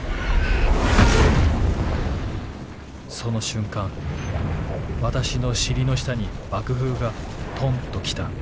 「その瞬間私の尻の下に爆風がとんと来た。